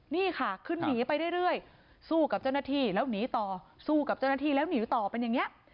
นี่ค่ะขึ้นหนีไปเรื่อยสู้กับเจ้าหน้าที่แล้วหนีต่อสู้กับเจ้าหน้าที่แล้วหนีต่อเป็นอย่างนี้